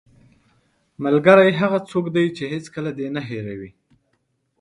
ملګری هغه څوک دی چې هېڅکله یې نه هېروې